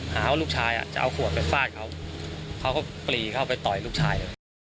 หาว่าลูกชายจะเอาขวดไปฟาดเขาเขาก็ปรีเข้าไปต่อยลูกชาย